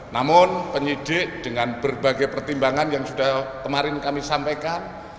namun penyidik dengan berbagai pertimbangan yang sudah kemarin kami sampaikan